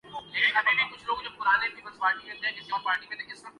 ستر سال لگے ہیں۔